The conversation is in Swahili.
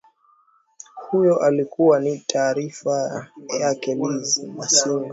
huyo alikuwa ni taarifa yake liz masinga